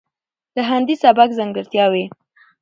،دهندي سبک ځانګړتياوې،